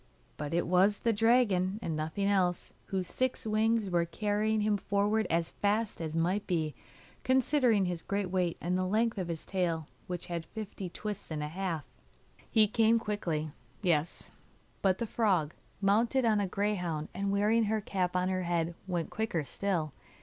But it was the dragon and nothing else, whose six wings were carrying him forward as fast as might be, considering his great weight and the length of his tail, which had fifty twists and a half. He came quickly, yes; but the frog, mounted on a greyhound, and wearing her cap on her head, went quicker still.